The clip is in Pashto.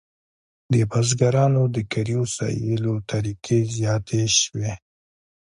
د بزګرانو د کاري وسایلو طریقې زیاتې شوې.